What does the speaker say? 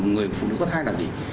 người phụ nữ có thai là gì